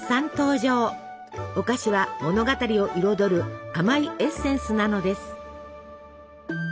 おかしは物語を彩る甘いエッセンスなのです。